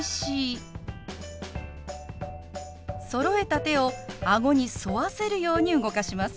そろえた手を顎に沿わせるように動かします。